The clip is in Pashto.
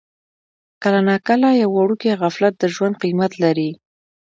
کله ناکله یو وړوکی غفلت د ژوند قیمت لري.